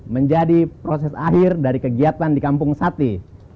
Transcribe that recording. menjadi proses akhir dari kegiatan di kampung sate